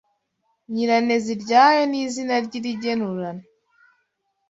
nyiraneziryayo ni izina ry,irigenurano